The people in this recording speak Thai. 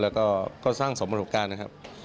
แล้วก็สร้างสมประสบการณ์นะครับ